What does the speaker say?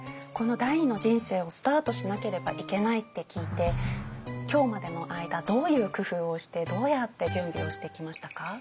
この第２の人生をスタートしなければいけないって聞いて今日までの間どういう工夫をしてどうやって準備をしてきましたか？